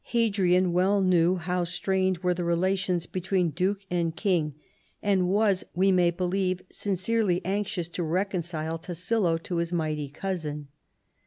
Hadrian well knew how strained Averethe relations between duke antl king, and was, we may believe, sincerely anxious to reconcile Tassilo to his mighty cousin.